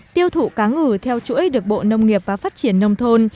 tiêu thụ cá ngừ theo chuỗi được bộ nông nghiệp và phát triển nông thôn